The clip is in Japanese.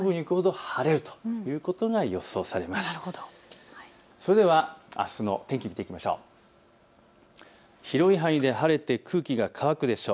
それではあすの天気を見ていきましょう。